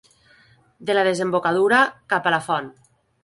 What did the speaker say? De la desembocadura cap a la font.